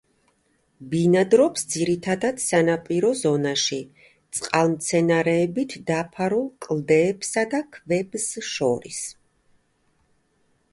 ბინადრობს ძირითადად სანაპირო ზონაში წყალმცენარეებით დაფარულ კლდეებსა და ქვებს შორის.